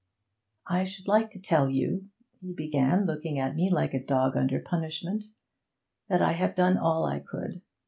'I should like to tell you,' he began, looking at me like a dog under punishment, 'that I have done all I could.